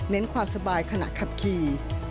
ความสบายขณะขับขี่